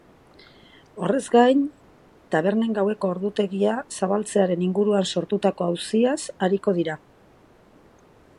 Horrez gain, tabernen gaueko ordutegia zabaltzearen inguruan sortutako auziaz ariko dira.